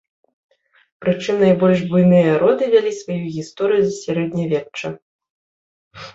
Прычым, найбольш буйныя роды вялі сваю гісторыю з сярэднявечча.